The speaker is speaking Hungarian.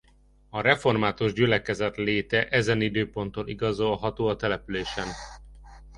A református gyülekezet léte ezen időponttól igazolható a településen.